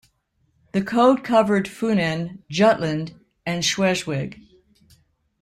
The code covered Funen, Jutland, and Schleswig.